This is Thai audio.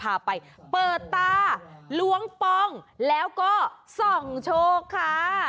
เพราะเราจะพาไปเปิดตาล้วงปองแล้วก็ส่องโชคค่ะ